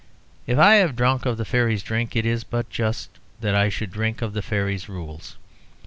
If I have drunk of the fairies' drink it is but just I should drink by the fairies' rules.